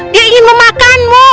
dia ingin memakanmu